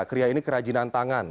kria ini kerajinan tangan